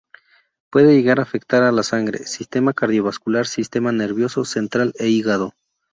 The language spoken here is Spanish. Puede llegar a afectar a la sangre, sistema cardiovascular, sistema nervioso central e hígado.